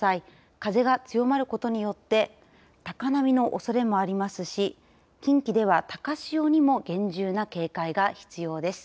風が強まることによって高波のおそれもありますし近畿では高潮にも厳重な警戒が必要です。